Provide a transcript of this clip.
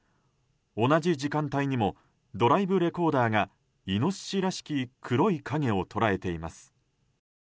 同じ時間帯にもドライブレコーダーがイノシシらしき黒い影を捉えています。